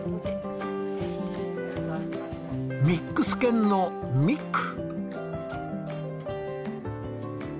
ミックス犬のミック。